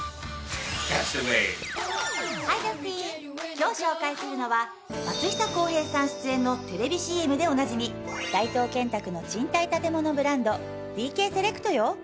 今日紹介するのは松下洸平さん出演のテレビＣＭでおなじみ大東建託の賃貸建物ブランドＤＫＳＥＬＥＣＴよ。